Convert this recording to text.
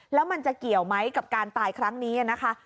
แล้วมันจะเกี่ยวไหมกับการตายครั้งนี้นะคะ